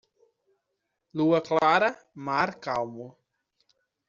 Lua clara, mar calmo.